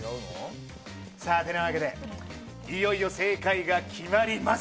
さあ、てなわけで、いよいよ正解が決まります。